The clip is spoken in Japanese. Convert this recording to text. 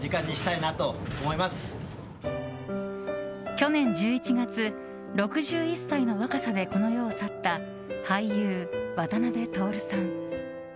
去年１１月６１歳の若さでこの世を去った俳優・渡辺徹さん。